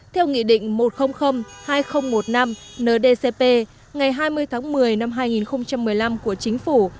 theo nghị định một trăm linh hai nghìn một mươi năm ndcp ngày hai mươi tháng một mươi năm hai nghìn một mươi năm của chính phủ